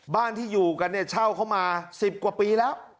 บ้านที่อยู่กันเนี่ยเช่าเข้ามา๑๐กว่าปีแล้ว